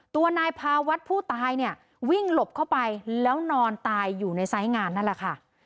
ตัวนายพาวัดผู้ตายเนี่ยวิ่งหลบเข้าไปแล้วนอนตายอยู่ในไซส์งานนั่นแหละค่ะ